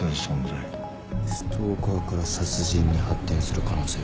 ストーカーから殺人に発展する可能性が？